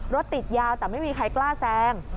รถติดยาวแต่ไม่มีใครกล้าแซง